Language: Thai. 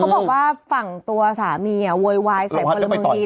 บอกว่าฝั่งตัวสามีโวยวายใส่พลเมืองดี